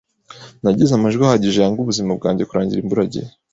Nagize amajwi ahagije yanga ubuzima bwanjye kurangira imburagihe